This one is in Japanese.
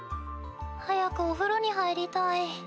早くお風呂に入りたい。